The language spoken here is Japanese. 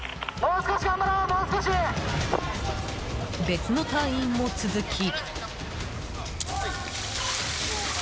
別の隊員も続き。